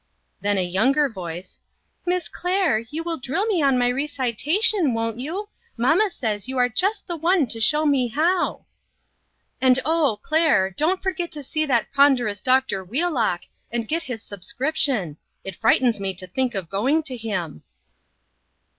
Then a younger voice: " Miss Claire, you will drill me on my recitation, won't you ? Mamma says you are just the one to show me how." " And, oh ! Claire, don't forget to see that ponderous Doctor Wheelock and get his sub REACHING INTO TO MORROW. 9 scription. It frightens me to think of going to him."